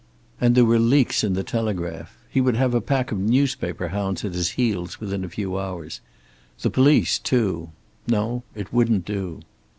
And there were leaks in the telegraph. He would have a pack of newspaper hounds at his heels within a few hours. The police, too. No, it wouldn't do.